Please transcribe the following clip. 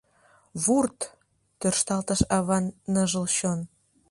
Вурт! тӧршталтыш аван ныжыл чон.